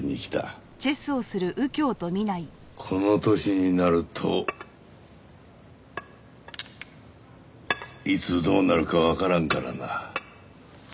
この年になるといつどうなるかわからんからな。